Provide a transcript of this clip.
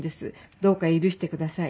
「どうか許してください。